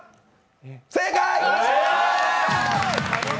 正解！